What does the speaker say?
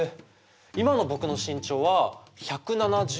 今の僕の身長は１７３ｃｍ。